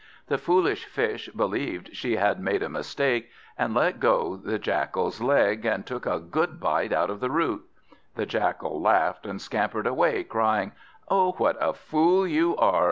The foolish Fish believed she had made a mistake, and let go the Jackal's leg, and took a good bite of the root. The Jackal laughed, and scampered away, crying, "Oh what a fool you are!